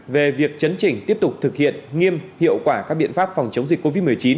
về việc chấn chỉnh tiếp tục thực hiện nghiêm hiệu quả các biện pháp phòng chống dịch covid một mươi chín